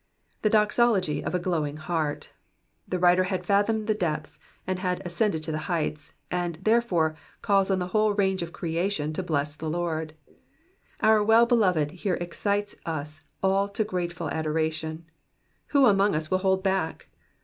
^'' The doxology of a glowing heart. The writer had fathomed the deeps, and had ascended to the heights ; and, therefore, calls on the whole range of creation to bless the Lord. Our Well Beloved here excites us all to grateful adoration : who among us will hold back